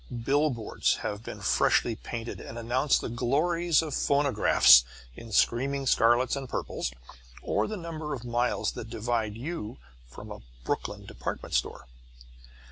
Billboards have been freshly painted and announce the glories of phonographs in screaming scarlets and purples, or the number of miles that divide you from a Brooklyn department store.